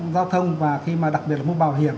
giao thông và khi mà đặc biệt là mua bảo hiểm